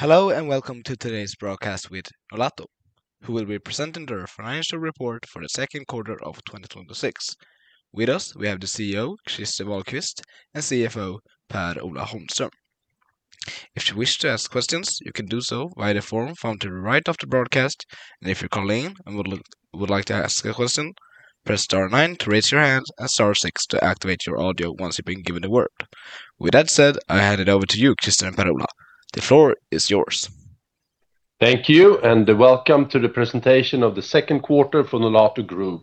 Hello, welcome to today's broadcast with Nolato, who will be presenting their financial report for the second quarter of 2026. With us, we have the CEO, Christer Wahlquist, and CFO, Per-Ola Holmström. If you wish to ask questions, you can do so via the form found to the right of the broadcast. If you're calling in and would like to ask a question, press star nine to raise your hand and star six to activate your audio once you've been given the word. With that said, I hand it over to you, Christer and Per-Ola. The floor is yours. Thank you, and welcome to the presentation of the second quarter for Nolato Group.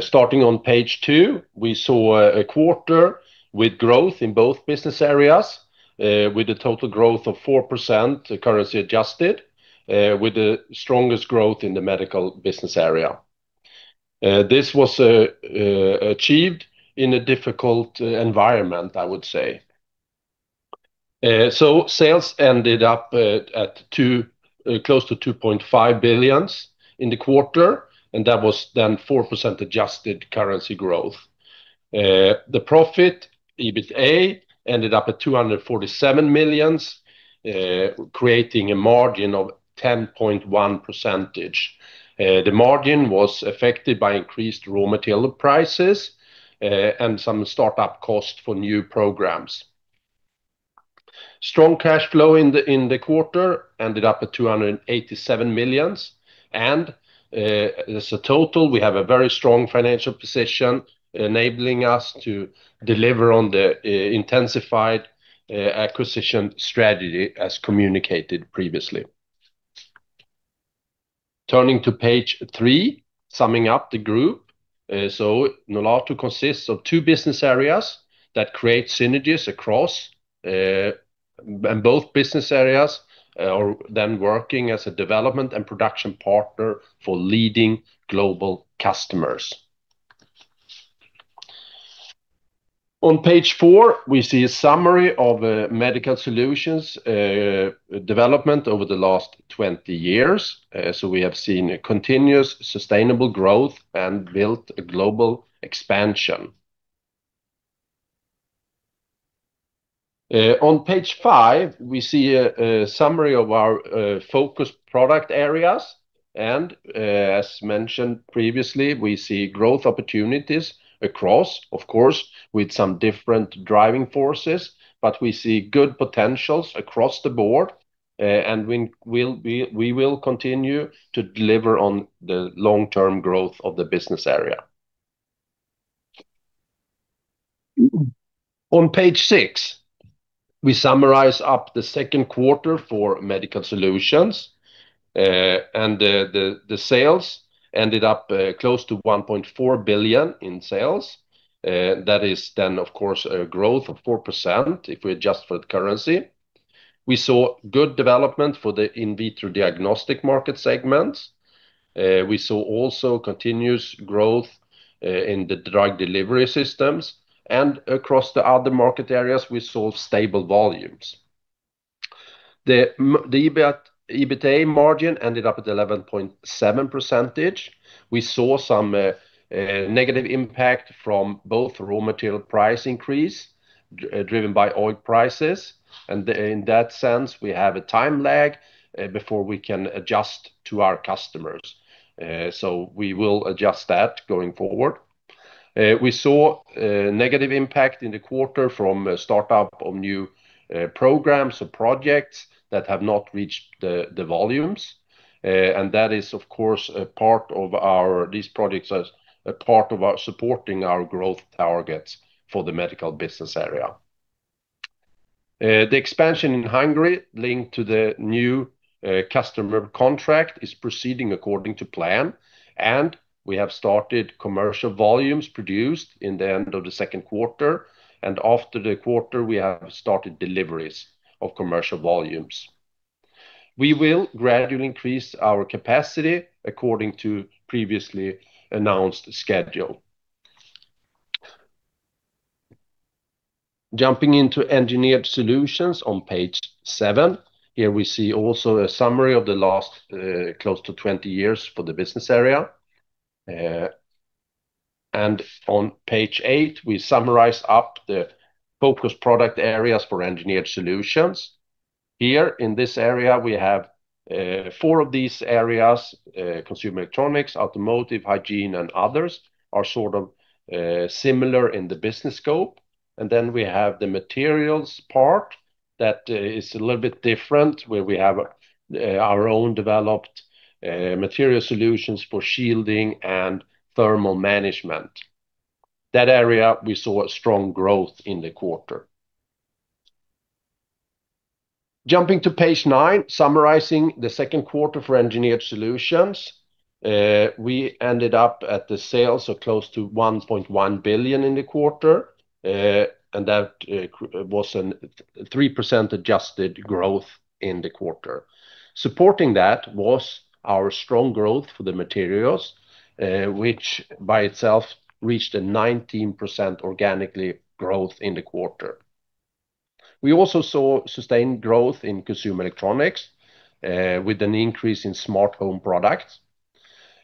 Starting on page two, we saw a quarter with growth in both business areas, with a total growth of 4%, currency adjusted, with the strongest growth in the medical business area. This was achieved in a difficult environment, I would say. Sales ended up at close to 2.5 billion in the quarter. That was 4% adjusted currency growth. The profit, EBITA, ended up at 247 million, creating a margin of 10.1%. The margin was affected by increased raw material prices and some startup costs for new programs. Strong cash flow in the quarter ended up at 287 million. As a total, we have a very strong financial position enabling us to deliver on the intensified acquisition strategy as communicated previously. Turning to page three, summing up the group. Nolato consists of two business areas that create synergies across. Both business areas are working as a development and production partner for leading global customers. On page four, we see a summary of Medical Solutions' development over the last 20 years. We have seen a continuous sustainable growth and built a global expansion. On page five, we see a summary of our focused product areas. As mentioned previously, we see growth opportunities across, of course, with some different driving forces, but we see good potentials across the board. We will continue to deliver on the long-term growth of the business area. On page six, we summarize up the second quarter for Medical Solutions. The sales ended up close to 1.4 billion in sales. That is, of course, a growth of 4% if we adjust for the currency. We saw good development for the in vitro diagnostic market segments. We saw also continuous growth in the drug delivery systems and across the other market areas, we saw stable volumes. The EBITA margin ended up at 11.7%. We saw some negative impact from both raw material price increase driven by oil prices. In that sense, we have a time lag before we can adjust to our customers. We will adjust that going forward. We saw a negative impact in the quarter from startup of new programs or projects that have not reached the volumes. That is, of course, these projects are part of supporting our growth targets for the medical business area. The expansion in Hungary linked to the new customer contract is proceeding according to plan. We have started commercial volumes produced in the end of the second quarter. After the quarter, we have started deliveries of commercial volumes. We will gradually increase our capacity according to previously announced schedule. Jumping into Engineered Solutions on page seven. Here we see also a summary of the last close to 20 years for the business area. On page eight, we summarize up the focused product areas for Engineered Solutions. Here in this area, we have four of these areas, consumer electronics, automotive, hygiene, and others are sort of similar in the business scope. Then we have the materials part that is a little bit different, where we have our own developed material solutions for shielding and thermal management. That area, we saw strong growth in the quarter. Jumping to page nine, summarizing the second quarter for Engineered Solutions. We ended up at the sales of close to 1.1 billion in the quarter. That was a 3% adjusted growth in the quarter. Supporting that was our strong growth for the materials, which by itself reached a 19% organic growth in the quarter. We also saw sustained growth in consumer electronics with an increase in smart home products.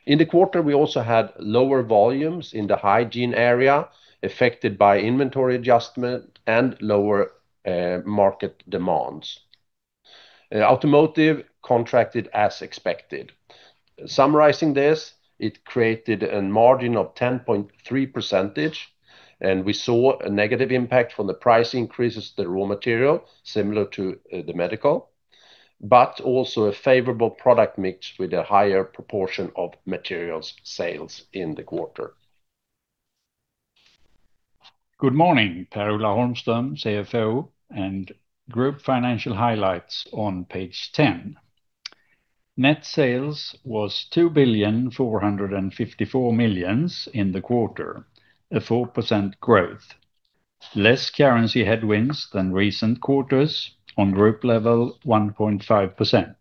In the quarter, we also had lower volumes in the hygiene area affected by inventory adjustment and lower market demands. Automotive contracted as expected. Summarizing this, it created a margin of 10.3%, and we saw a negative impact from the price increases, the raw material, similar to the Medical, but also a favorable product mix with a higher proportion of materials sales in the quarter. Good morning, Per-Ola Holmström, CFO. Group financial highlights on page 10. Net sales was 2,454 million in the quarter, a 4% growth. Less currency headwinds than recent quarters. On group level, 1.5%.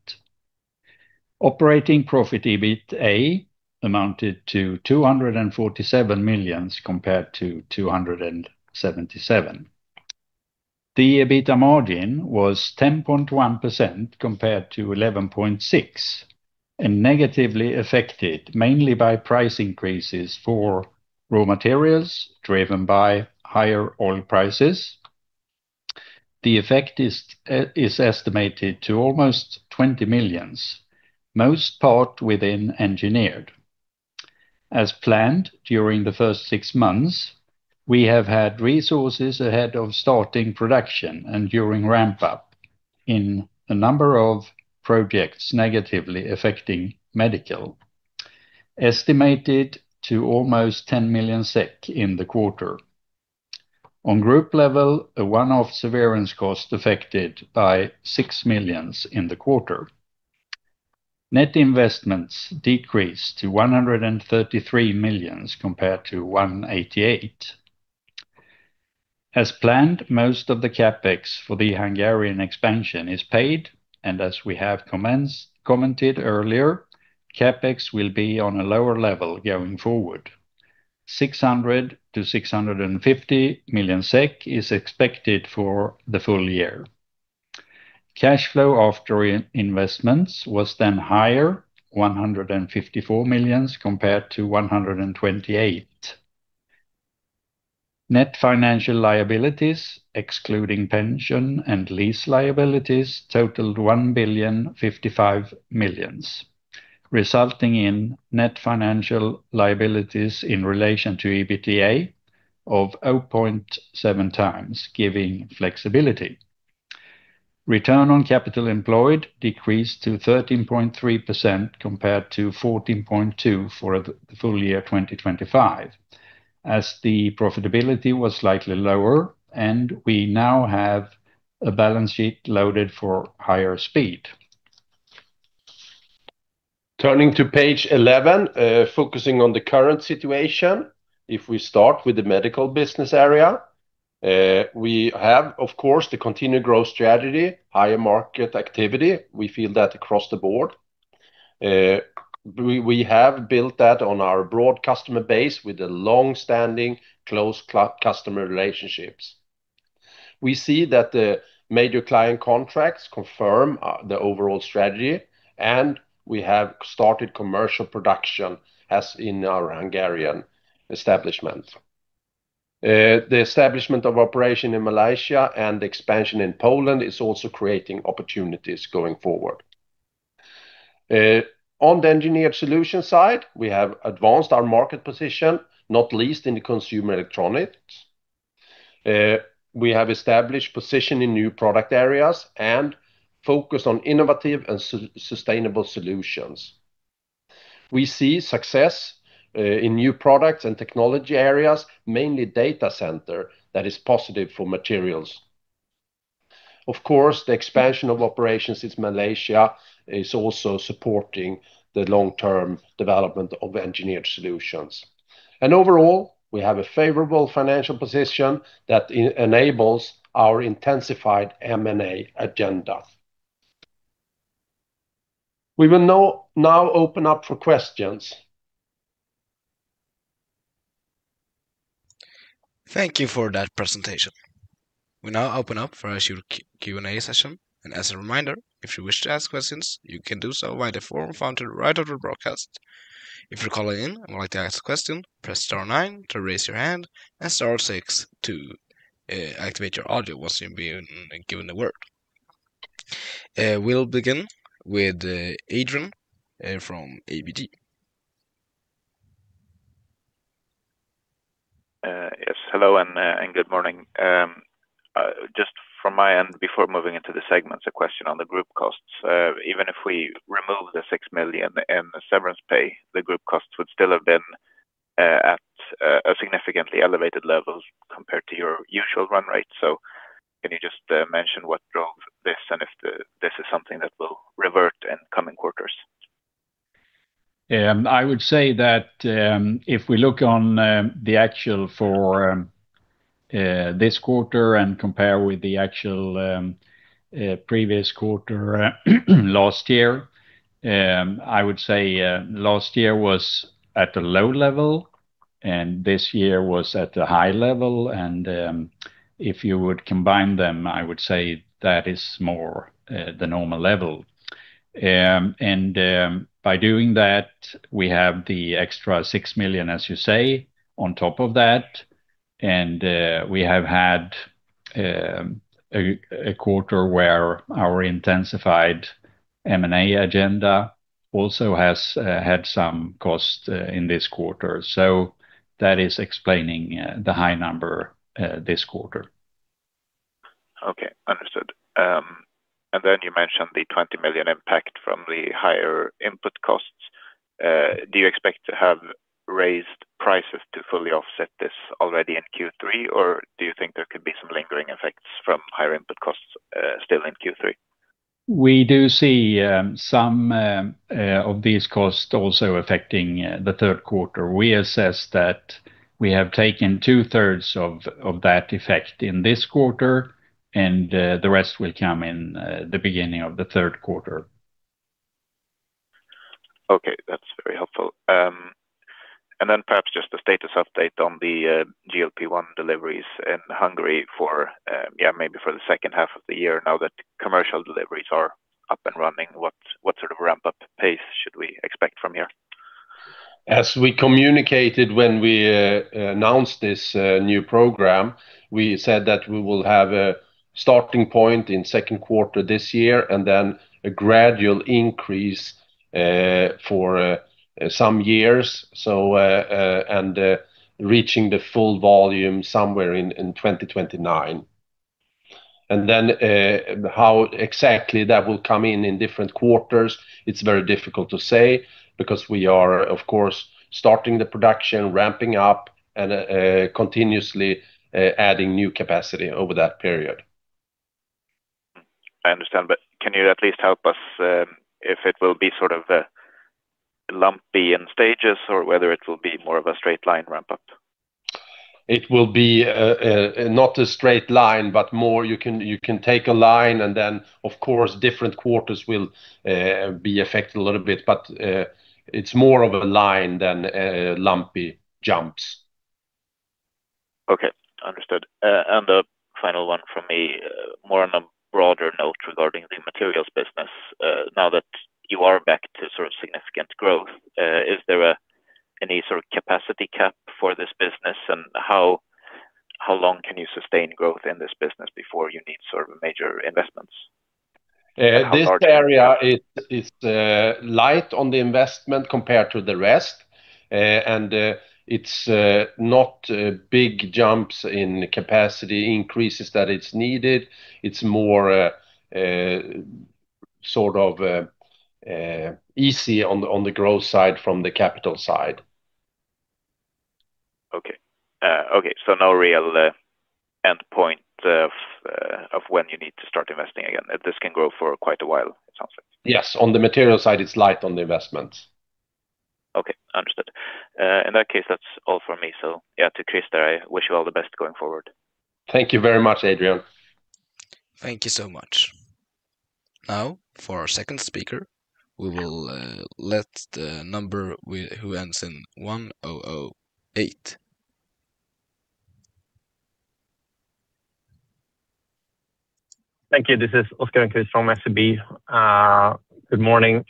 Operating profit EBITA amounted to 247 million compared to 277 million. The EBITA margin was 10.1% compared to 11.6%. Negatively affected mainly by price increases for raw materials, driven by higher oil prices. The effect is estimated to almost 20 million, most part within Engineered. As planned, during the first six months, we have had resources ahead of starting production and during ramp-up in a number of projects negatively affecting Medical, estimated to almost 10 million SEK in the quarter. On group level, a one-off severance cost affected by 6 million in the quarter. Net investments decreased to 133 million compared to 188 million. As planned, most of the CapEx for the Hungarian expansion is paid. As we have commented earlier, CapEx will be on a lower level going forward. 600 million-650 million SEK is expected for the full year. Cash flow after investments was higher, 154 million compared to 128 million. Net financial liabilities, excluding pension and lease liabilities, totaled 1,055 million, resulting in net financial liabilities in relation to EBITA of 0.7x, giving flexibility. Return on capital employed decreased to 13.3% compared to 14.2% for the full year 2025, as the profitability was slightly lower. We now have a balance sheet loaded for higher speed. Turning to page 11, focusing on the current situation. If we start with the Medical Solutions business area, we have, of course, the continued growth strategy, higher market activity. We feel that across the board. We have built that on our broad customer base with the long-standing close customer relationships. We see that the major client contracts confirm the overall strategy, and we have started commercial production as in our Hungarian establishment. The establishment of operation in Malaysia and expansion in Poland is also creating opportunities going forward. On the Engineered Solutions side, we have advanced our market position, not least in the consumer electronics. We have established position in new product areas and focus on innovative and sustainable solutions. We see success in new products and technology areas, mainly data center, that is positive for materials. Of course, the expansion of operations in Malaysia is also supporting the long-term development of Engineered Solutions. Overall, we have a favorable financial position that enables our intensified M&A agenda. We will now open up for questions. Thank you for that presentation. We now open up for our Q&A session. As a reminder, if you wish to ask questions, you can do so via the forum found at the right of your broadcast. If you're calling in and would like to ask a question, press star nine to raise your hand and star six to activate your audio once you've been given the word. We'll begin with Adrian from ABG. Yes, hello and good morning. Just from my end, before moving into the segments, a question on the group costs. Even if we remove the 6 million in severance pay, the group costs would still have been at a significantly elevated level compared to your usual run rate. Can you just mention what drove this and if this is something that will revert in coming quarters? I would say that if we look on the actual for this quarter and compare with the actual previous quarter last year, I would say last year was at a low level. This year was at a high level. If you would combine them, I would say that is more the normal level. By doing that, we have the extra 6 million, as you say, on top of that. We have had a quarter where our intensified M&A agenda also has had some cost in this quarter. That is explaining the high number this quarter. Okay, understood. Then you mentioned the 20 million impact from the higher input costs. Do you expect to have raised prices to fully offset this already in Q3? Do you think there could be some lingering effects from higher input costs still in Q3? We do see some of these costs also affecting the third quarter. We assess that we have taken two-thirds of that effect in this quarter, the rest will come in the beginning of the third quarter. Okay, that's very helpful. Then perhaps just a status update on the GLP-1 deliveries in Hungary maybe for the second half of the year now that commercial deliveries are up and running. What sort of ramp-up pace should we expect from here? As we communicated when we announced this new program, we said that we will have a starting point in the second quarter of this year, then a gradual increase for some years, and reaching the full volume somewhere in 2029. How exactly that will come in different quarters, it's very difficult to say because we are, of course, starting the production, ramping up, and continuously adding new capacity over that period. I understand. Can you at least help us if it will be sort of lumpy in stages or whether it will be more of a straight line ramp-up? It will be not a straight line, but more you can take a line and then, of course, different quarters will be affected a little bit. It's more of a line than lumpy jumps. Okay, understood. A final one from me, more on a broader note regarding the materials business. Now that you are back to significant growth, is there any sort of capacity cap for this business? How long can you sustain growth in this business before you need major investments? This area is light on the investment compared to the rest. It's not big jumps in capacity increases that it's needed. It's more easy on the growth side from the capital side. Okay. No real endpoint of when you need to start investing again. This can grow for quite a while, it sounds like. Yes. On the material side, it's light on the investment. Okay, understood. In that case, that's all from me. To Christer, I wish you all the best going forward. Thank you very much, Adrian. Thank you so much. For our second speaker, we will let the number who ends in 1,008. Thank you. This is Oscar Rönnkvist from SEB. Good morning.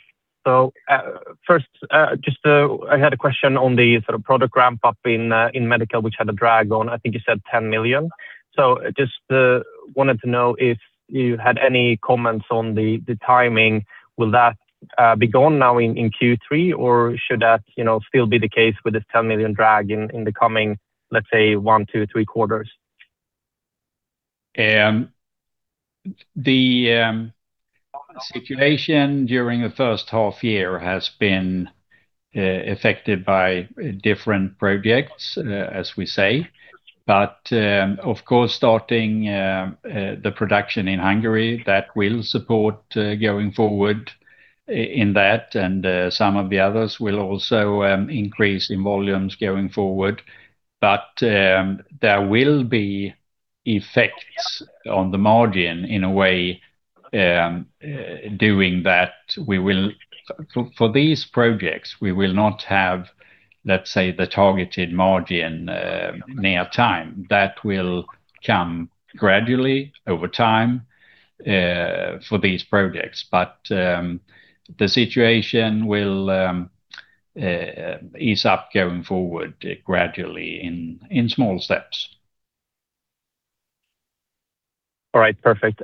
First, I had a question on the product ramp-up in Medical, which had a drag on, I think you said 10 million. Just wanted to know if you had any comments on the timing. Will that be gone now in Q3, or should that still be the case with this 10 million drag in the coming, let's say, one to three quarters? The situation during the first half year has been affected by different projects, as we say. Of course, starting the production in Hungary, that will support going forward in that, and some of the others will also increase in volumes going forward. There will be effects on the margin in a way doing that. For these projects, we will not have, let's say, the targeted margin near time. That will come gradually over time for these projects. The situation will ease up going forward gradually in small steps. Perfect.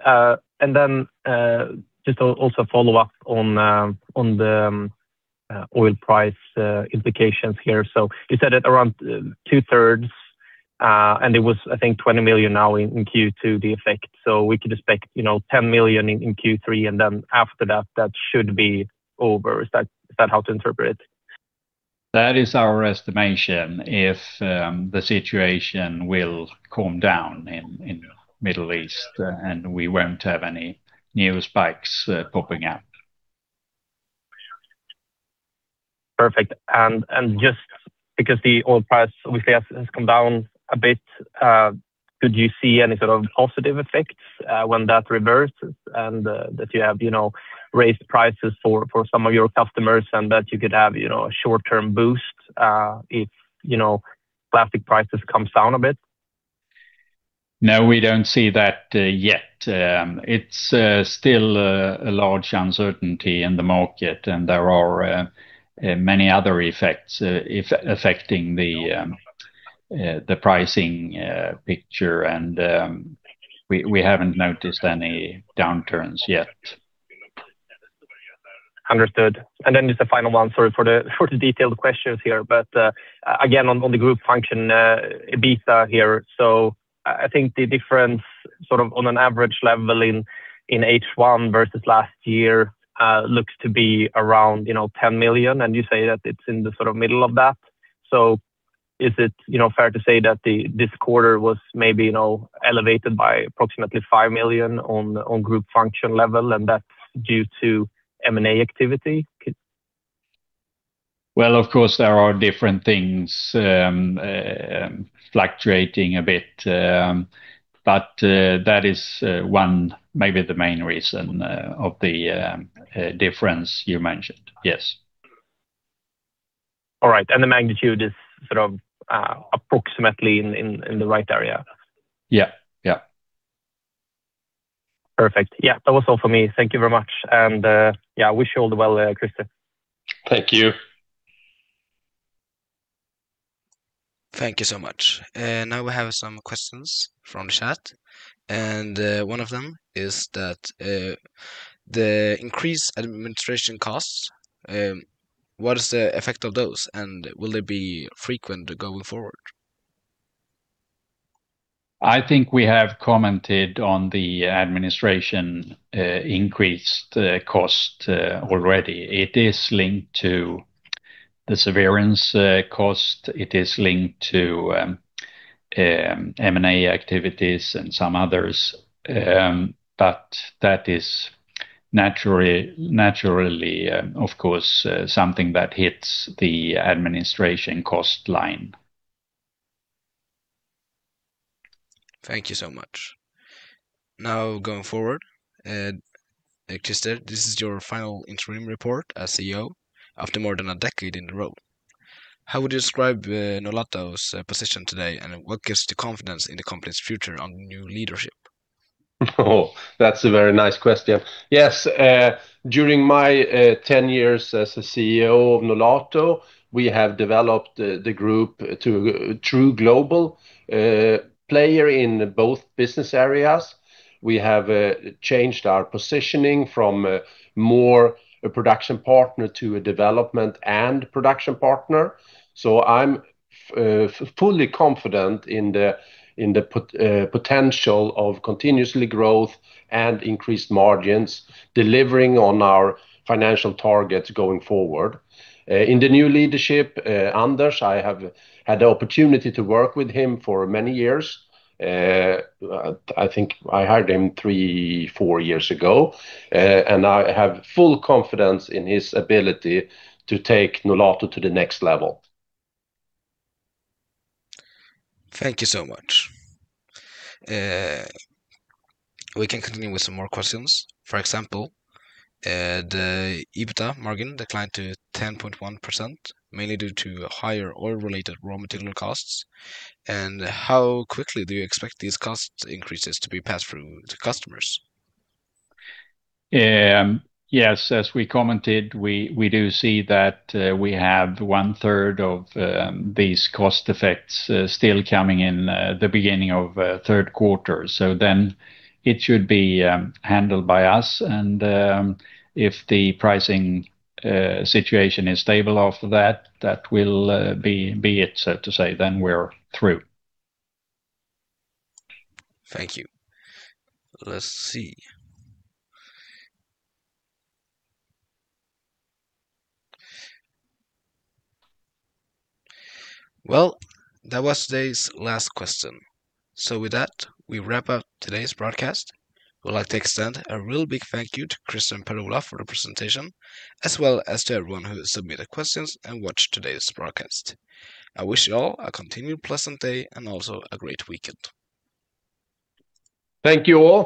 Just also follow up on the oil price implications here. You said that around two-thirds, and it was, I think, 20 million now in Q2, the effect. We could expect 10 million in Q3, after that should be over. Is that how to interpret? That is our estimation if the situation will calm down in Middle East and we won't have any new spikes popping up. Perfect. Just because the oil price obviously has come down a bit, could you see any sort of positive effects when that reversed and that you have raised prices for some of your customers and that you could have a short-term boost if plastic prices comes down a bit? No, we don't see that yet. It's still a large uncertainty in the market, and there are many other effects affecting the pricing picture, and we haven't noticed any downturns yet. Understood. Just the final one. Sorry for the detailed questions here. Again, on the group function, EBITA here. I think the difference sort of on an average level in H1 versus last year looks to be around 10 million, and you say that it's in the sort of middle of that. Is it fair to say that this quarter was maybe elevated by approximately 5 million on group function level and that's due to M&A activity? Well, of course, there are different things fluctuating a bit. That is one, maybe the main reason of the difference you mentioned. Yes. All right. The magnitude is sort of approximately in the right area? Yeah. Perfect. That was all for me. Thank you very much. I wish you all the well, Christer. Thank you. Thank you so much. We have some questions from chat, and one of them is that the increased administration costs, what is the effect of those, and will they be frequent going forward? I think we have commented on the administration increased cost already. It is linked to the severance cost. It is linked to M&A activities and some others. That is naturally, of course, something that hits the administration cost line. Thank you so much. Going forward, Christer, this is your final interim report as CEO after more than a decade in the role. How would you describe Nolato's position today, and what gives the confidence in the company's future on new leadership? Oh, that's a very nice question. Yes, during my 10 years as a CEO of Nolato, we have developed the group to a true global player in both business areas. We have changed our positioning from more a production partner to a development and production partner. I'm fully confident in the potential of continuous growth and increased margins, delivering on our financial targets going forward. In the new leadership, Anders, I have had the opportunity to work with him for many years. I think I hired him three, four years ago. I have full confidence in his ability to take Nolato to the next level. Thank you so much. We can continue with some more questions. For example, the EBITA margin declined to 10.1%, mainly due to higher oil-related raw material costs. How quickly do you expect these cost increases to be passed through to customers? Yes, as we commented, we do see that we have one-third of these cost effects still coming in the beginning of third quarter. It should be handled by us. If the pricing situation is stable after that will be it, so to say, then we're through. Thank you. Let's see. Well, that was today's last question. With that, we wrap up today's broadcast. We'd like to extend a real big thank you to Christer and Per-Ola for the presentation, as well as to everyone who submitted questions and watched today's broadcast. I wish you all a continued pleasant day and also a great weekend. Thank you all.